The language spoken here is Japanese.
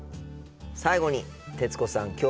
最後に徹子さん